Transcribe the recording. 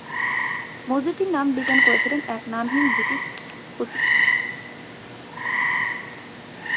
মসজিদটির নাম ডিজাইন করেছিলেন এক নামহীন ব্রিটিশ স্থপতি।